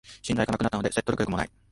信頼がなくなったので説得力もない